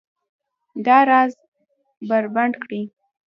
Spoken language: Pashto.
دا راز بربنډ کړي